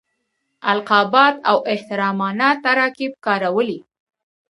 القابات او احترامانه تراکیب کارولي.